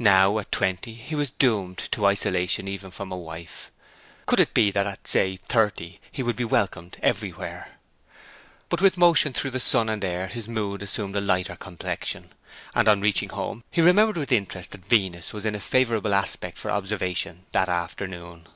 Now, at twenty, he was doomed to isolation even from a wife; could it be that at, say thirty, he would be welcomed everywhere? But with motion through the sun and air his mood assumed a lighter complexion, and on reaching home he remembered with interest that Venus was in a favourable aspect for observation that afternoon.